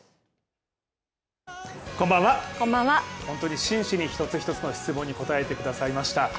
本当に真摯に一つ一つの質問に答えてくださいました。